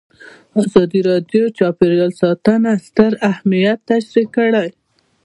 ازادي راډیو د چاپیریال ساتنه ستر اهميت تشریح کړی.